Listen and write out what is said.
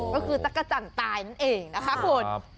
ก็คือจักรจันทร์ตายนั่นเองนะคะคุณ